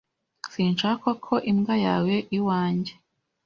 Sinshaka ko imbwa yawe iwanjye.